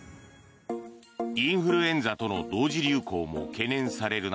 インフルエンザとの同時流行も懸念される